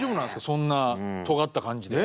そんなとがった感じで。